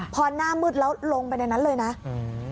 พอหน้ามืดแล้วลงไปในนั้นเลยนะอืม